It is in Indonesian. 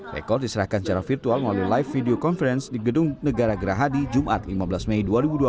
rekor diserahkan secara virtual melalui live video conference di gedung negara gerahadi jumat lima belas mei dua ribu dua puluh